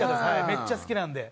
めっちゃ好きなんで。